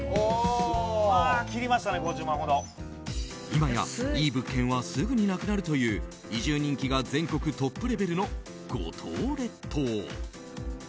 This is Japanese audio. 今や、いい物件はすぐになくなるという移住人気が全国トップレベルの五島列島。